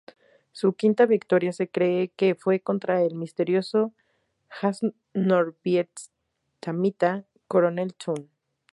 Su quinta victoria se cree que fue contra el misterioso as norvietnamita Coronel Toon.